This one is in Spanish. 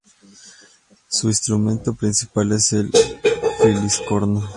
Su instrumento principal es el fliscorno.